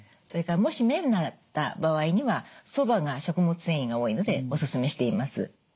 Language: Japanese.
それからもし麺だった場合にはそばが食物繊維が多いのでおすすめしています。